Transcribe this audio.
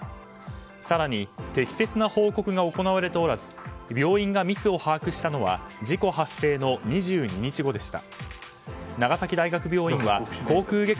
更に、適切な報告が行われておらず病院がミスを把握したのは事故発生の２２日後でした。